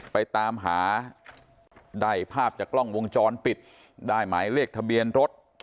ไปตามหาได้ภาพจากกล้องวงจรปิดได้หมายเลขทะเบียนรถ